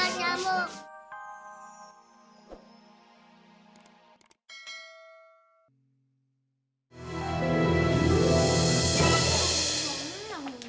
jangan main ya